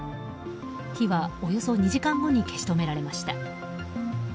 火はおよそ２時間後に消し止められました。